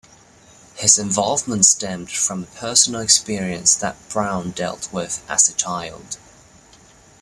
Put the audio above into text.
His involvement stemmed from a personal experience that Brown dealt with as a child.